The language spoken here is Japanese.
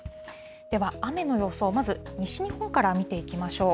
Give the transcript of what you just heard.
では雨の予想、まず西日本から見ていきましょう。